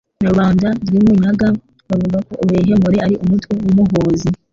Na Rubanda rw' i MunyagaBavuga ko uruhehemureAri umutwe w' Umuhozi